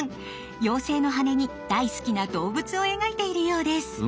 妖精の羽に大好きな動物を描いているようです。